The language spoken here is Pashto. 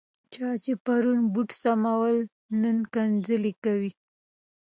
چا چې پرون بوټ سمول، نن کنځل کوي.